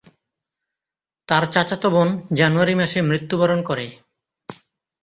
তার চাচাতো বোন জানুয়ারি মাসে মৃত্যুবরণ করে।